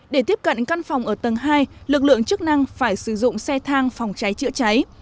để tiếp cận căn phòng ở tầng hai lực lượng chức năng phải sử dụng xe thang phòng cháy chữa cháy